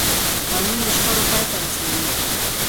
قانون د شخړو پای ته رسوي